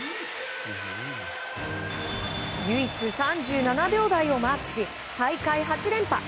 唯一３７秒台をマークし大会８連覇！